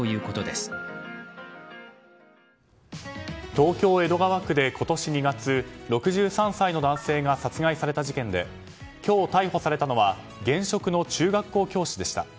東京・江戸川区で今年２月６３歳の男性が殺害された事件で今日、逮捕されたのは現職の中学校教師でした。